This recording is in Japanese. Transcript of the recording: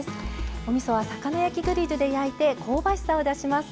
おみそは魚焼きグリルで焼いて香ばしさを出します。